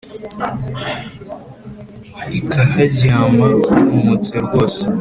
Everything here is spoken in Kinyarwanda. , Ikaharyama humutse rwose